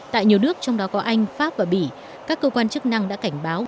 tại nhiều nước trong đó có anh pháp và bỉ các cơ quan chức năng đã cảnh báo